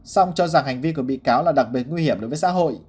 xong cho rằng hành vi của bị cáo là đặc biệt nguy hiểm đối với xã hội